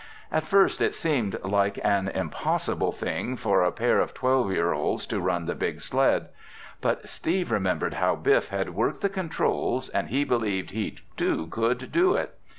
At first it seemed like an impossible thing for a pair of twelve year olds to run the big sled. But Steve remembered how Biff had worked the controls and he believed he, too, could do it.